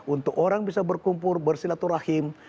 untuk orang bisa berkumpul bersilaturahim